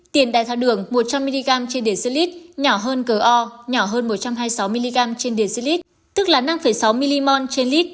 tiền đài tháo đường một trăm linh mg trên decilit nhỏ hơn go nhỏ hơn một trăm hai mươi sáu mg trên decilit tức là năm sáu mg trên lit